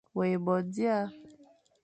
Wé bo dia,